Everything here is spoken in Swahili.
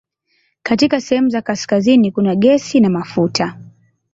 Katika sehemu za kaskazini kuna gesi na mafuta.